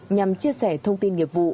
nhằm chia sẻ thông tin nghiệp vụ